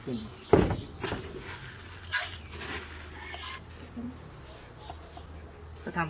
เหมือนกล้อง